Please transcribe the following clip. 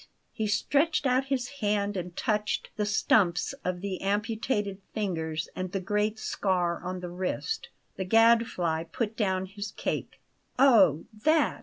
He stretched out his hand and touched the stumps of the amputated fingers and the great scar on the wrist. The Gadfly put down his cake. "Oh, that!